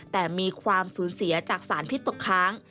แต่มีความสูญเสียจากสารพิษตกค้าง